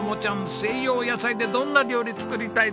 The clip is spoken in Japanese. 西洋野菜でどんな料理作りたいですか？